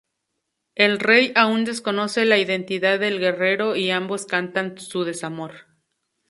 El rey aún desconoce la identidad del guerrero y ambos cantan su desamor.